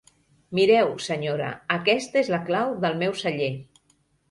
Mireu, senyora, aquesta és la clau del meu celler.